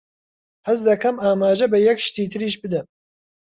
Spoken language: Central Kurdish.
حەز دەکەم ئاماژە بە یەک شتی تریش بدەم.